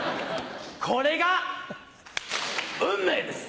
これが運命です！